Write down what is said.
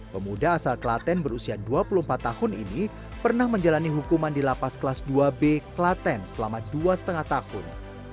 pemuda asal klaten berusia dua puluh empat tahun ini pernah menjalani hukuman di lapas kelas dua b klaten selama dua lima tahun